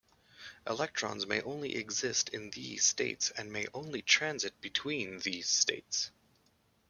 Electrons may only exist in these states, and may only transit between these states.